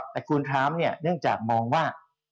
แต่คุณถามเนี่ยเนื่องจากมองว่า